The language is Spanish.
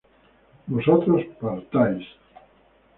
vosotros partáis